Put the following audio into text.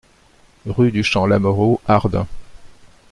Rue du Champ Lameraud, Ardin